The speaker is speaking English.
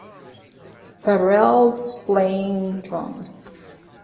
Pharrell's playing drums.